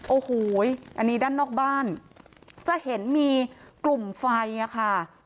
โอ้โหอันนี้ด้านนอกบ้านจะเห็นมีกลุ่มไฟค่ะ